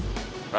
gue gak mau